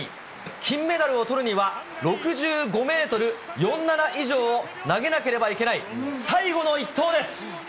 金メダルをとるには、６５メートル４７以上を投げなければいけない、最後の一投です。